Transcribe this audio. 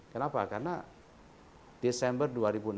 kenapa karena desember dua ribu enam belas